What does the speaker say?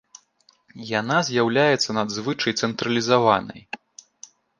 Яна з'яўляецца надзвычай цэнтралізаванай.